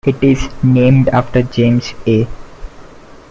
It is named after James A.